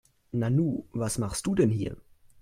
Nanu, was machst du denn hier?